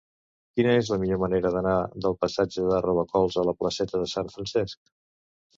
Quina és la millor manera d'anar del passatge de Robacols a la placeta de Sant Francesc?